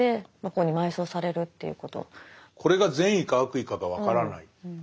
これが善意か悪意かが分からない。